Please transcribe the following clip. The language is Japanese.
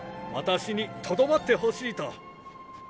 私にとどまってほしいと。